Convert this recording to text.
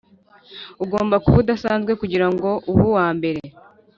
ugomba kuba udasanzwe kugirango ube uwambere.